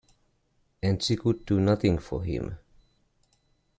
And she could do nothing for him.